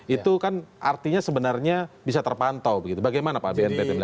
itu kan artinya sebenarnya bisa terpantau begitu bagaimana pak bnpt melihat